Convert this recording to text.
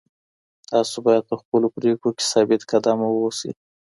تاسو باید په خپلو پرېکړو کي ثابت قدم اوسئ.